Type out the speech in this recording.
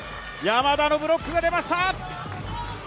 山田のブロックが出ました！